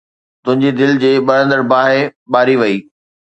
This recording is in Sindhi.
تنهنجي دل جي ٻرندڙ باهه ٻاري وئي